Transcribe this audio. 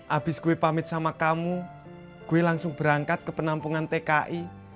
abis gue pamit sama kamu gue langsung berangkat ke penampungan tki